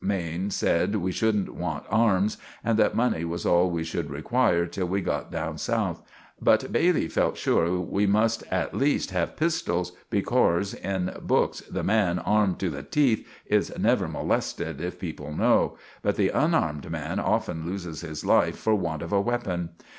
Maine sed we shouldn't want arms, and that money was all we should require till we got down south; but Bailey felt sure we must at leest have pistells, becorse in books the man armed to the teath is never mollested if people know, but the unarmed man often looses his life for want of a weppon.